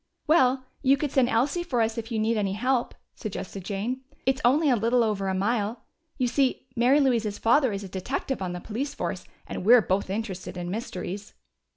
"Well, you could send Elsie for us if you need any help," suggested Jane. "It's only a little over a mile. You see, Mary Louise's father is a detective on the police force, and we're both interested in mysteries."